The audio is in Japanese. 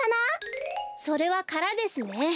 それはからですね。